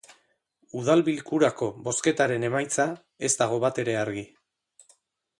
Udal bilkurako bozketaren emaitza ez dago batere argi.